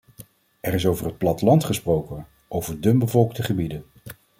Er is over het platteland gesproken, over dunbevolkte gebieden.